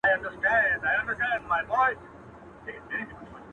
زه دي پلار یم نصیحت مکوه ماته,